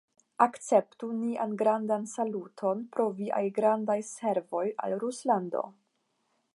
Akceptu nian grandan saluton pro viaj grandaj servoj al Ruslando!